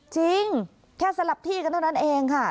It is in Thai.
จริงแค่สลับที่กันเท่านั้นเองค่ะ